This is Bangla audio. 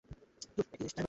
এই নামে কোনো মুভি নেই।